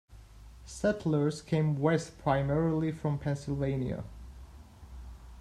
Settlers came west primarily from Pennsylvania.